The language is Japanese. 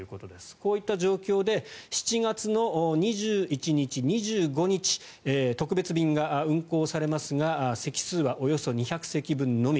こういった状況で７月の２１日、２５日特別便が運航されますが席数はおよそ２００席分のみ。